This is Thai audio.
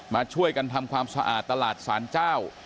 มาช่วยกันทำความสะอาดตลาดสารเจ้า